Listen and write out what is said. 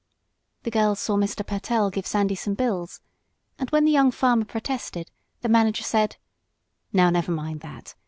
The girls saw Mr. Pertell give Sandy some bills, and when the young farmer protested, the manager said: "Now never mind that!!